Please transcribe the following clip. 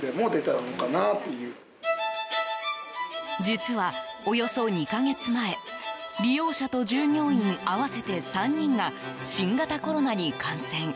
実は、およそ２か月前利用者と従業員、合わせて３人が新型コロナに感染。